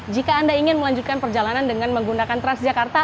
jika anda ingin melanjutkan perjalanan dengan menggunakan transjakarta